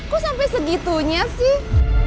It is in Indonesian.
kok sampai segitunya sih